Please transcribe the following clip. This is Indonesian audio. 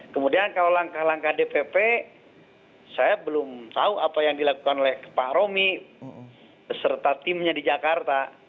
kemudian kalau langkah langkah dpp saya belum tahu apa yang dilakukan oleh pak romi beserta timnya di jakarta